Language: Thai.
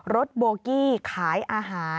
โบกี้ขายอาหาร